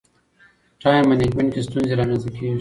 ټایم منجمنټ کې ستونزې رامنځته کېږي.